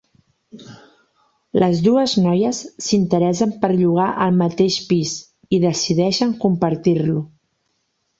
Les dues noies s'interessen per llogar el mateix pis i decideixen compartir-lo.